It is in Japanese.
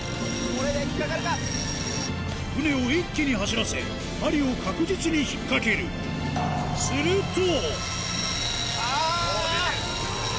船を一気に走らせ針を確実に引っ掛けるあぁ！